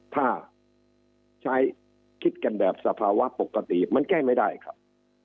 ถ้าใช้คิดกันแบบสภาวะปกติมันแก้ไม่ได้ครับ